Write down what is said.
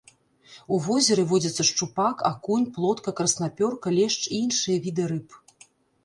У возеры водзяцца шчупак, акунь, плотка, краснапёрка, лешч і іншыя віды рыб.